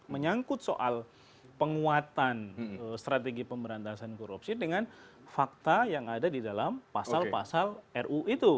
menyangkut soal penguatan strategi pemberantasan korupsi dengan fakta yang ada di dalam pasal pasal ru itu